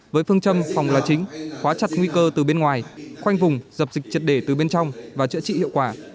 với phương châm phòng là chính khóa chặt nguy cơ từ bên ngoài khoanh vùng dập dịch triệt để từ bên trong và chữa trị hiệu quả